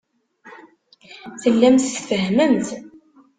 Tellamt tfehhmemt.